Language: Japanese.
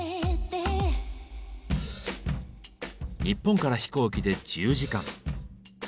日本から飛行機で１０時間。